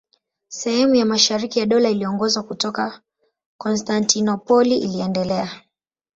Sehemu ya mashariki ya Dola iliyoongozwa kutoka Konstantinopoli iliendelea.